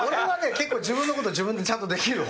結構自分のことを自分でちゃんとできる方。